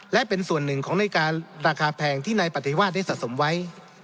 และเป็นส่วนหนึ่งของในการราคาแพงที่นายปฏิวาสได้สะสมไว้